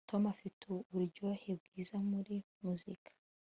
Tom afite uburyohe bwiza muri muzika